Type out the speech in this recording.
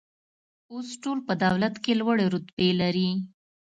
اوس ټول په دولت کې لوړې رتبې لري